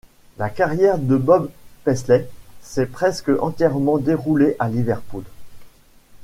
La carrière de Bob Paisley s'est presque entièrement déroulée à Liverpool.